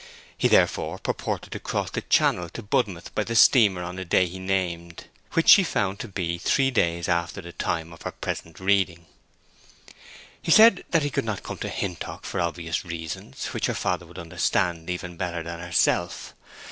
He therefore purported to cross the Channel to Budmouth by the steamer on a day he named, which she found to be three days after the time of her present reading. He said that he could not come to Hintock for obvious reasons, which her father would understand even better than herself.